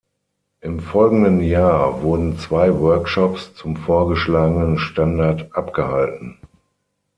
Im folgenden Jahr wurden zwei Workshops zum vorgeschlagenen Standard abgehalten.